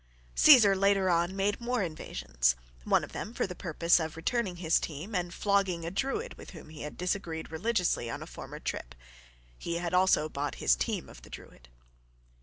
AUTHOR.) Caesar later on made more invasions: one of them for the purpose of returning his team and flogging a Druid with whom he had disagreed religiously on a former trip. (He had also bought his team of the Druid.)